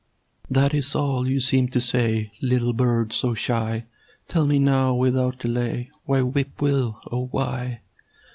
That is all you seem to say, Little bird so shy. Tell me now, without delay, Why whip Will, oh! why?